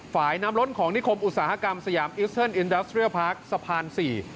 ฝ่ายน้ำล้นของนิคมอุตสาหกรรมสยามอิสเทิร์นอินดัสเรียลพาร์คสะพานสี่